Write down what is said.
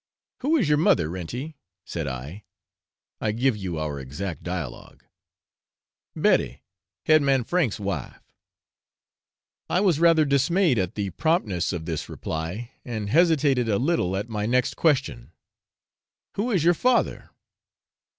'Who is your mother, Renty?' said I (I give you our exact dialogue); 'Betty, head man Frank's wife.' I was rather dismayed at the promptness of this reply, and hesitated a little at my next question, 'Who is your father?'